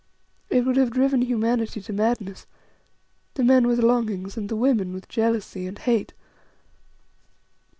It would have driven humanity to madness: the men with longings and the women with jealousy and hate.